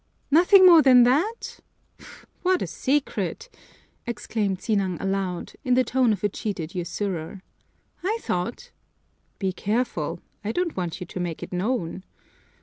"Nothing more than that? What a secret!" exclaimed Sinang aloud, in the tone of a cheated usurer. "I thought " "Be careful! I don't want you to make it known!"